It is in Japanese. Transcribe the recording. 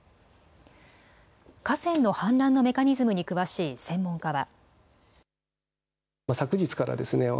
河川の氾濫のメカニズムに詳しい専門家は。